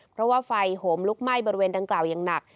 เพราะว่าไฟโหมลุกไหม้บริเวณดังกล่าวอย่างหนัก